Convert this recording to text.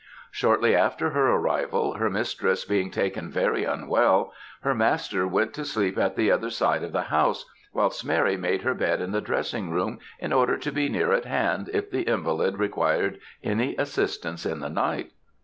Shortly after her arrival, her mistress being taken very unwell, her master went to sleep at the other side of the house, whilst Mary made her bed in the dressing room, in order to be near at hand if the invalid required any assistance in the night.